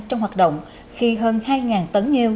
trong hoạt động khi hơn hai tấn nghêu